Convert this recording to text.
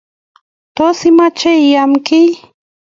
Tos, imache iam giiy?